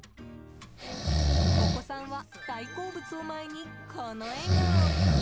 お子さんは大好物を前にこの笑顔！